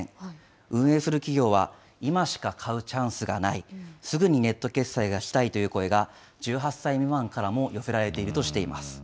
運営する企業は、今しか買うチャンスがない、すぐにネット決済したいという声が、１８歳未満からも寄せられているとしています。